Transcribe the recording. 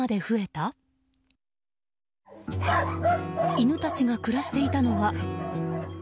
犬たちが暮らしていたのは。